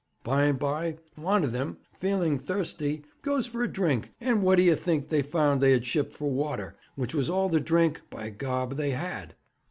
By 'n by, wan of thim, feeling thirsty, goes for a drink, and what d'ye think they found they had shipped for water, which was all the drink, by gob, they had?